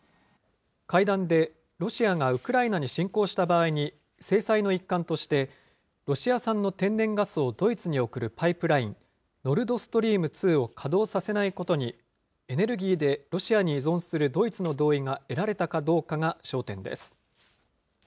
会談でロシアがウクライナに侵攻した場合に制裁の一環として、ロシア産の天然ガスをドイツに送るパイプライン、ノルドストリーム２を稼働させないことにエネルギーでロシアに依存するドイツの同意が得られたかどうかが焦点です。